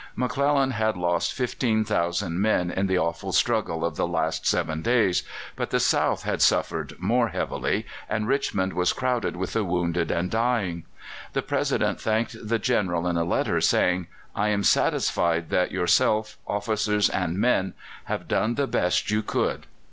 McClellan had lost 15,000 men in the awful struggle of the last seven days, but the South had suffered more heavily, and Richmond was crowded with the wounded and dying. The President thanked the General in a letter, saying: "I am satisfied that yourself, officers, and men have done the best you could."